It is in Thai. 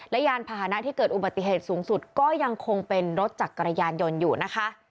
และยานพาหนะที่เกิดอุบัติเหตุสูงสุดก็ยังคงเป็นรถจักรยานยนต์อยู่นะคะ